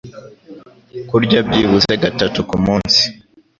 Kurya byibuze gatatu ku munsi